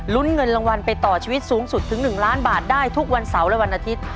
เงินรางวัลไปต่อชีวิตสูงสุดถึง๑ล้านบาทได้ทุกวันเสาร์และวันอาทิตย์